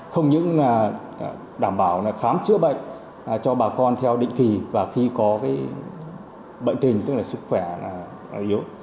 không những đảm bảo khám chữa bệnh cho bà con theo định kỳ và khi có bệnh tình tức là sức khỏe yếu